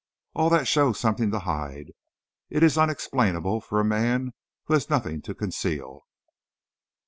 All this shows something to hide, it is unexplainable for a man who has nothing to conceal."